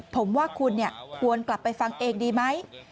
ผมว่าคุณควรกลับไปฟังเองดีไหม